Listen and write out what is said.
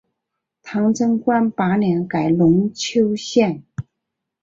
唐贞观八年改龙丘县。